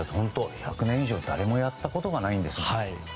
１００年以上誰もやったことがないんです。